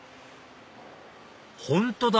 本当だ！